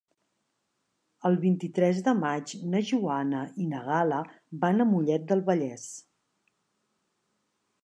El vint-i-tres de maig na Joana i na Gal·la van a Mollet del Vallès.